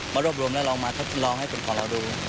มารวบรวมแล้วลองมาทดลองให้คนของเราดู